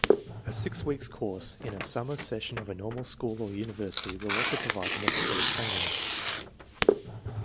A six weeks course in a summer ses sion of a normal school or university will also provide the necessary training.